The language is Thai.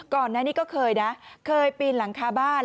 ก่อนหน้านี้ก็เคยนะเคยปีนหลังคาบ้าน